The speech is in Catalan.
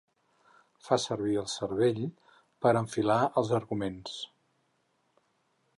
Fa servir el cervell per enfilar els arguments.